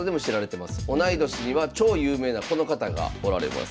同い年には超有名なこの方がおられます。